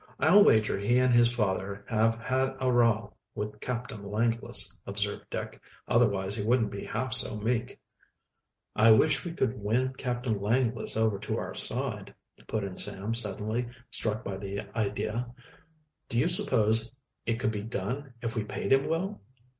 "I'll wager he and his father have had a row with Captain Langless," observed Dick. "Otherwise he wouldn't be half so meek." "I wish we could win Captain Langless over to our side," put in Sam suddenly, struck by the idea. "Do you suppose it could be done if we paid him well?"